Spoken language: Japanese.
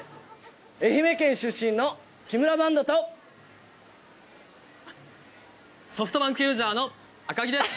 愛媛県出身のきむらバンドとソフトバンクユーザーの赤木です